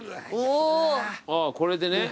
ああこれでね